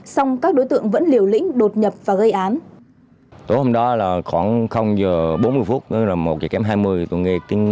xong các đối tượng vẫn liều lĩnh đột nhập và gây án